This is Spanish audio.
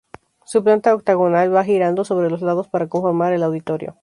Su planta octogonal va girando sobre los lados para conformar el auditorio.